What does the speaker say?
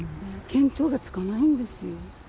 見当がつかないんですよ。